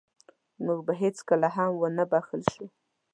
موږ به هېڅکله هم ونه بښل شو.